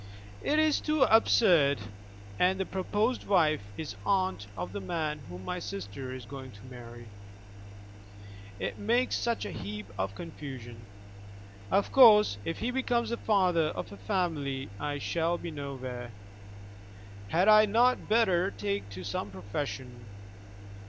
It is too absurd, and the proposed wife is aunt of the man whom my sister is going to marry. It makes such a heap of confusion. Of course, if he becomes the father of a family I shall be nowhere. Had I not better take to some profession?